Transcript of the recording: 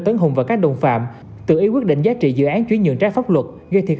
tấn hùng và các đồng phạm tự ý quyết định giá trị dự án chuyển nhượng trái pháp luật gây thiệt